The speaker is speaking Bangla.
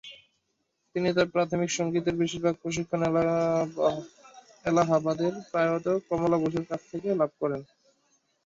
তিনি তার প্রাথমিক সংগীতের বেশিরভাগ প্রশিক্ষণ এলাহাবাদের প্রয়াত কমলা বোসের কাছ থেকে লাভ করেন।